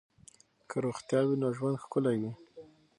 که روغتیا وي نو ژوند ښکلی وي.